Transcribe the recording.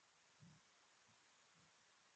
বিশ্বাস হচ্ছে না!